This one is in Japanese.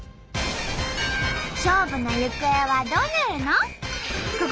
勝負の行方はどうなるの！？